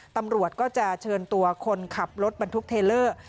ตำรวจก็จะเชิญตัวคนขับรถบรรทุกเทลเลอร์